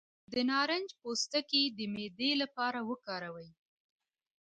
د نارنج پوستکی د معدې لپاره وکاروئ